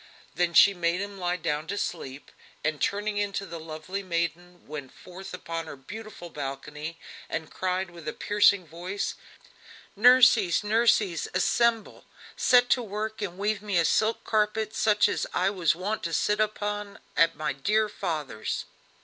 Then she made him lie down to sleep, and turning into the lovely maiden went forth upon her beautiful balcony, and cried with a piercing voice: "Nurseys nurseys! assemble, set to work and weave me a silk carpet such as I was wont to sit upon at my dear father's!"